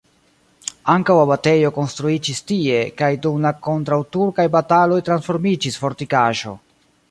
Ankaŭ abatejo konstruiĝis tie, kiu dum la kontraŭturkaj bataloj transformiĝis fortikaĵo.